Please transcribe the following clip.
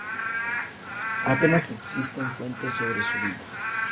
Apenas existen fuentes sobre su vida.